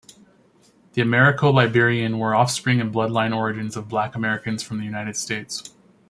The Americo-Liberian were offspring and bloodline origins of black Americans from the United States.